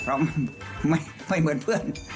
เราไม่เหมือนเพื่อน